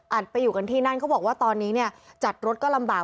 อาจไปอยู่กันที่นั่นก็บอกว่าตอนนี้จัดรถก็ลำบาก